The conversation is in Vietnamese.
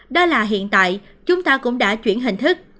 đó là hiện tại chúng ta cũng đã chuyển hình thức